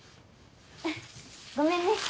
ごめんね。